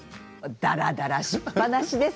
だらだらします。